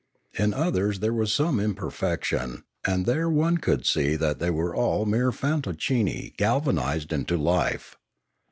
In others there was some imperfection, and there one could see that they were all mere fantoccini galvanised into life.